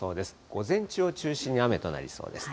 午前中を中心に雨となりそうです。